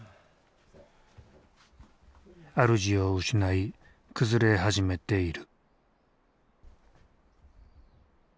あるじを失い崩れ始めている。